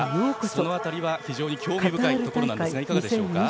その辺りは非常に興味深いところですがいかがですか？